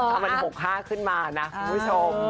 เอามัน๖๕ขึ้นมานะคุณผู้ชม